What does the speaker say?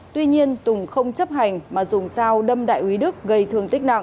tuy nhiên tùng không chấp hành mà dùng dao đâm đại úy đức gây thương tích nặng